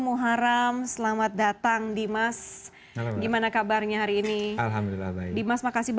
bukanlah halangan untuk berkarya dan berprestasi